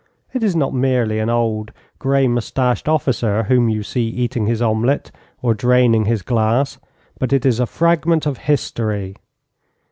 It is not merely an old, grey moustached officer whom you see eating his omelette or draining his glass, but it is a fragment of history.